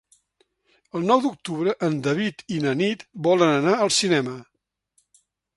El nou d'octubre en David i na Nit volen anar al cinema.